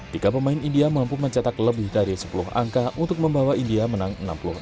tiga pemain india mampu mencetak lebih dari sepuluh angka untuk membawa india menang enam puluh enam